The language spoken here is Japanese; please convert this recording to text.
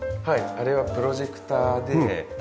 あれはプロジェクターではい。